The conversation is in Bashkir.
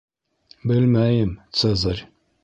Белмәйем, Цезарь.